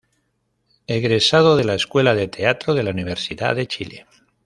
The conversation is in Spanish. Egresado de la Escuela de Teatro de la Universidad de Chile.